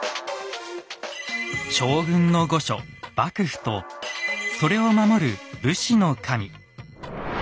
将軍の御所幕府とそれを守る武士の神。